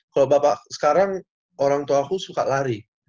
kalau bapak sekarang orangtuaku suka lari